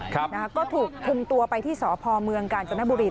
ก็ถูกทุนตัวไปที่สพเมืองกจมบรี